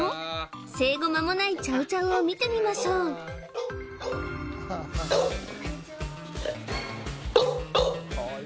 生後まもないチャウ・チャウを見てみましょうこんにちは